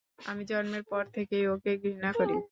আমি জন্মের পর থেকেই ওকে ঘৃণা করি।